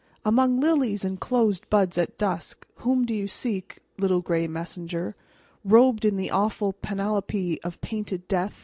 Among lilies and closed buds At dusk, Whom do you seek, Little gray messenger, Robed in the awful panoply Of painted Death?